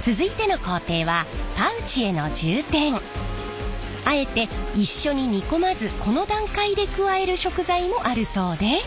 続いての工程はあえて一緒に煮込まずこの段階で加える食材もあるそうで。